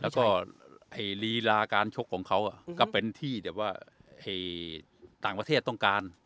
แล้วก็ไอ้รีลาการชกของเขาอ่ะก็เป็นที่เดี๋ยวว่าให้ต่างประเทศต้องการ